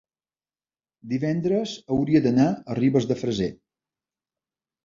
divendres hauria d'anar a Ribes de Freser.